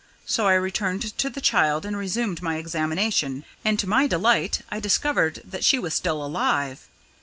So I returned to the child and resumed my examination, and, to my delight, I discovered that she was still alive.